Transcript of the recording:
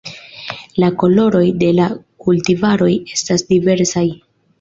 La koloroj de la kultivaroj estas diversaj.